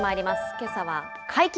けさは解禁！